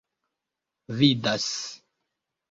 vidas